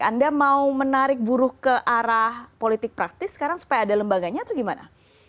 anda mau menarik buruh ke arah politik praktis sekarang supaya ada lembaganya atau gimana